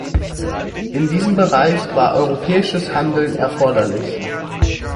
In diesem Bereich war europäisches Handeln erforderlich.